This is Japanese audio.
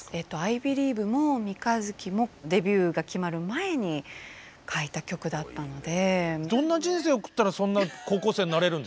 「Ｉｂｅｌｉｅｖｅ」も「三日月」もデビューが決まる前に書いた曲だったので。